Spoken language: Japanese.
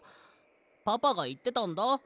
パパがいってたんだ。